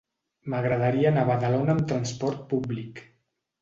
M'agradaria anar a Badalona amb trasport públic.